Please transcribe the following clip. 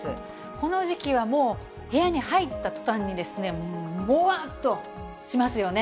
この時期はもう、部屋に入ったとたんに、もわーっとしますよね。